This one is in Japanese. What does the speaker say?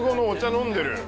飲んでる。